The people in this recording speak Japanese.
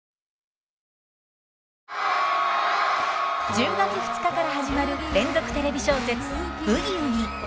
１０月２日から始まる連続テレビ小説「ブギウギ」。